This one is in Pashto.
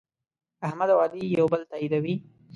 احمد او علي یو بل تأییدوي.